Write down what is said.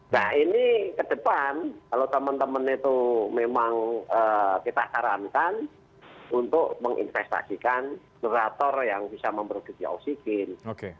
nah ini ke depan kalau teman teman itu memang kita sarankan untuk menginvestasikan generator yang bisa memproduksi oksigen